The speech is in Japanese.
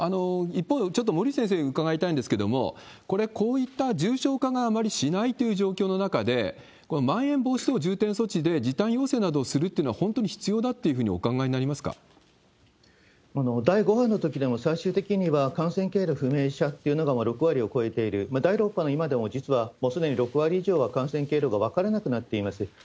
一方、ちょっと森内先生に伺いたいんですけれども、これ、こういった重症化があまりしないという状況の中で、まん延防止等重点措置で時短要請などをするというのは、本当に必要だっていう第５波のときでも、最終的には感染経路不明者っていうのが６割を超えている、第６波の今でも、実はもうすでに６割以上は感染経路が分からなくなっています。